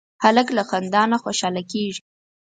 هلک له خندا نه خوشحاله کېږي.